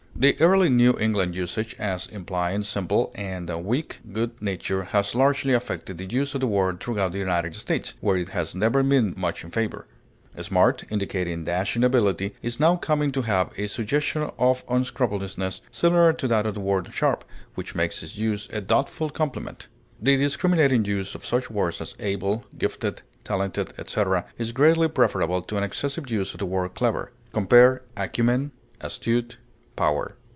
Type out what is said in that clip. The early New England usage as implying simple and weak good nature has largely affected the use of the word throughout the United States, where it has never been much in favor. Smart, indicating dashing ability, is now coming to have a suggestion of unscrupulousness, similar to that of the word sharp, which makes its use a doubtful compliment. The discriminating use of such words as able, gifted, talented, etc., is greatly preferable to an excessive use of the word clever. Compare ACUMEN; ASTUTE; POWER.